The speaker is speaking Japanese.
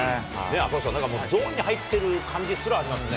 赤星さん、なんかゾーンに入っている感じすらありますよね。